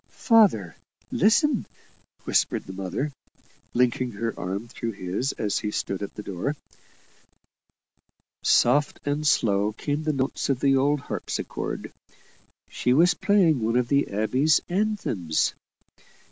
"Father, listen!" whispered the mother, linking her arm through his as he stood at the door. Soft and slow came the notes of the old harpsichord she was playing one of the abbey anthems.